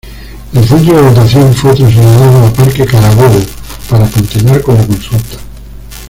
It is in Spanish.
El centro de votación fue trasladado a Parque Carabobo para continuar con la consulta.